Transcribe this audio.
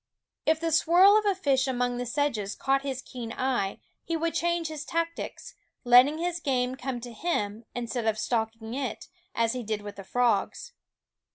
If the swirl of a fish among t;he sedges caught his keen eye, he would change his tactics, letting his game come to him instead of stalking it, as he did with the frogs.